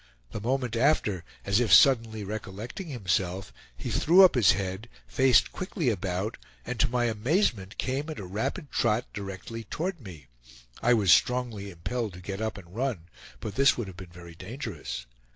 The moment after, as if suddenly recollecting himself, he threw up his head, faced quickly about, and to my amazement came at a rapid trot directly toward me. I was strongly impelled to get up and run, but this would have been very dangerous.